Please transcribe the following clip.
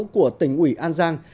của tỉnh ủy an giang